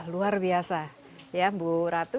luar biasa ya bu ratu